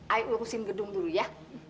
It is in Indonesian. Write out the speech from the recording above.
ayo lurusin gedung dulu ya